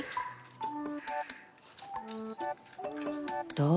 どう？